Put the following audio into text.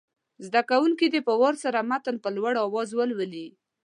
زده کوونکي دې په وار سره متن په لوړ اواز ولولي.